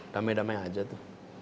damai damai saja itu